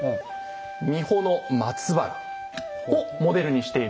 三保の松原をモデルにしているんですね。